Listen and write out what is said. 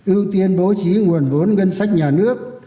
ưu tiên bố trí nguồn vốn ngân sách nhà nước